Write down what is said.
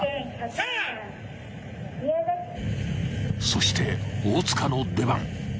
［そして大塚の出番］